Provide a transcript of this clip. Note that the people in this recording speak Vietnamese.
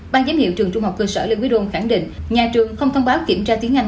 ban giám hiệu trường trung học cơ sở lê quý đôn khẳng định nhà trường không thông báo kiểm tra tiếng anh